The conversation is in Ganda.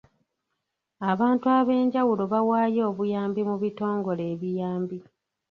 Abantu ab'enjawulo bawaayo obuyambi mu bitongole ebiyambi.